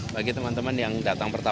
bagi teman teman yang datang pertama